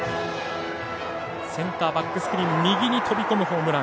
センターバックスクリーン右に飛び込むホームラン。